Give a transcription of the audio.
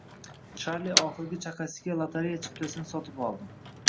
Charli oxirgi chaqasiga lotereya chiptasini sotib oldi.